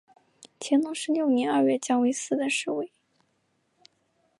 乾隆十六年二月降为四等侍卫。